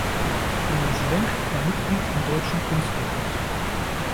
Thomas Lenk war Mitglied im Deutschen Künstlerbund.